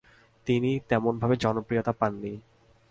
তিনি তেমন ভাবে জনপ্রিয়তা পাননি।